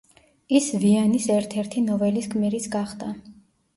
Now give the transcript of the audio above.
ის ვიანის ერთ-ერთი ნოველის გმირიც გახდა.